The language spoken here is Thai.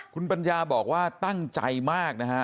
คุณปัญญาบอกว่าตั้งใจมากนะฮะ